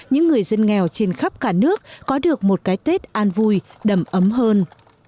những người dân nghèo trên khắp cả nước có được một cái tết an vui đầm ấm hơn